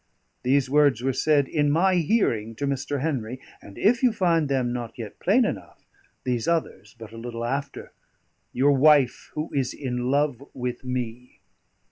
These words were said in my hearing to Mr. Henry; and if you find them not yet plain enough, these others but a little after: 'Your wife, who is in love with me.'"